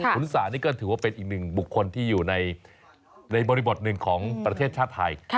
คุณสานี่ก็ถือว่าเป็นอีกหนึ่งบุคคลที่อยู่ในบริบทหนึ่งของประเทศไทย